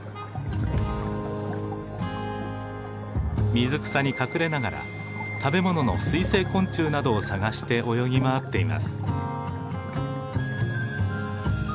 水草に隠れながら食べ物の水生昆虫などを探して泳ぎ回っています。